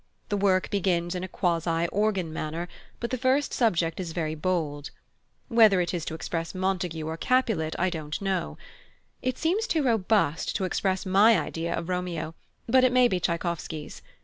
The work begins in a quasi organ manner, but the first subject is very bold. Whether it is to express Montague or Capulet I don't know. It seems too robust to express my idea of Romeo, but it may be Tschaikowsky's.